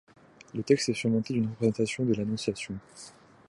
Le texte est surmonté d'une représentation de l'Annonciation.